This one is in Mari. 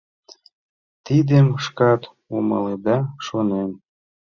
Тидым шкат умыледа, шонем.